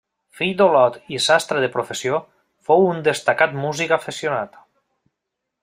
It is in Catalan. Fill d’Olot i sastre de professió, fou un destacat músic afeccionat.